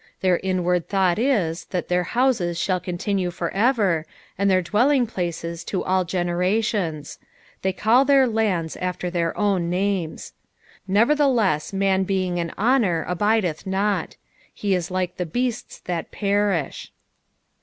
11 Their inward thought is, tliat their houses shall continue for ever, and their dwelling places to all generations ; they call tluir lands after their own names, 12 Nevertheless man being in honour abideth not : he is like the beasts that perish.